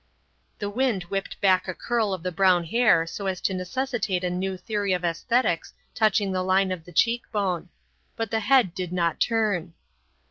The wind whipped back a curl of the brown hair so as to necessitate a new theory of aesthetics touching the line of the cheek bone; but the head did not turn.